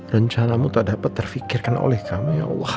rencanamu tak dapat terfikirkan oleh kami ya allah